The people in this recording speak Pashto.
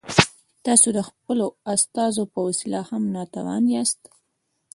تاسو د خپلو استازو په وسیله هم ناتوان یاست.